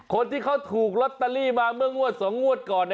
คนที่เขาถูกลอตเตอรี่มาเมื่องวด๒งวดก่อน